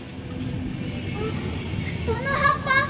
あっそのはっぱ！